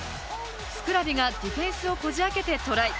スクラビがディフェンスをこじ開けてトライ。